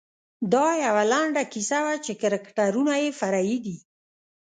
دا یوه لنډه کیسه وه چې کرکټرونه یې فرعي دي.